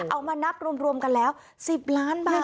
เอามานับรวมกันแล้ว๑๐ล้านบาท